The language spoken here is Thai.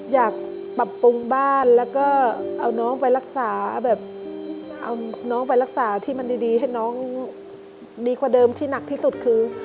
อยากปรับปรุงบ้านแล้วก็เอาน้องไปรักษาแบบเอาน้องไปรักษาที่มันดีให้น้องดีกว่าเดิมที่หนักที่สุดคือ